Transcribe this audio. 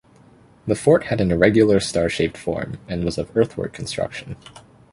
The fort had an irregular star shaped form, and was of earthwork construction.